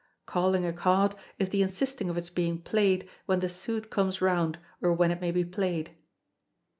[Calling a card is the insisting of its being played when the suit comes round, or when it may be played.